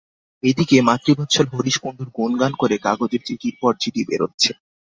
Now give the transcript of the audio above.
এ দিকে মাতৃবৎসল হরিশ কুণ্ডুর গুণগান করে কাগজে চিঠির পর চিঠি বেরোচ্ছে।